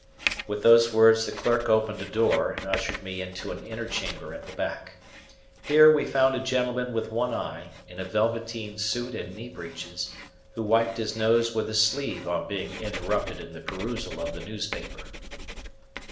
With those words, the clerk opened a door, and ushered me into an inner chamber at the back. Here, we found a gentleman with one eye, in a velveteen suit and knee breeches, who wiped his nose with his sleeve on being interrupted in the perusal of the newspaper.